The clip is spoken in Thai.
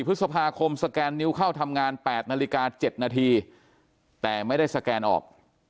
พฤษภาคมสแกนนิ้วเข้าทำงาน๘นาฬิกา๗นาทีแต่ไม่ได้สแกนออก